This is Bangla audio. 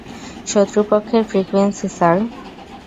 শত্রুপক্ষের ফ্রিকুয়েন্সি, স্যার!